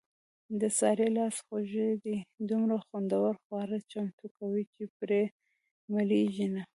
د سارې لاس خوږ دی دومره خوندور خواړه چمتو کوي، چې پرې مړېږي نه.